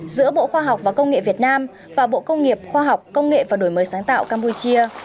giữa bộ khoa học và công nghệ việt nam và bộ công nghiệp khoa học công nghệ và đổi mới sáng tạo campuchia